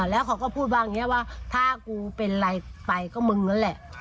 แล้วเขาก็พูดว่าอย่างนี้ว่าถ้ากูเป็นอะไรไปก็มึงนั่นแหละ